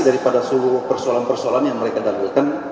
daripada seluruh persoalan persoalan yang mereka dalilkan